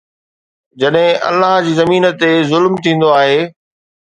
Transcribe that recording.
جڏهن الله جي زمين تي ظلم ٿيندو آهي